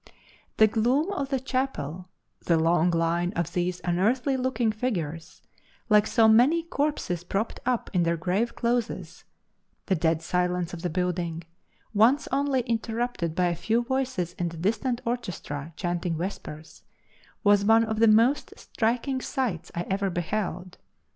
The gloom of the chapel, the long line of these unearthly looking figures, like so many corpses propped up in their grave clothes the dead silence of the building, once only interrupted by a few voices in the distant orchestra chanting vespers, was one of the most striking sights I ever beheld.